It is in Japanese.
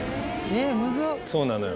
そうなのよ。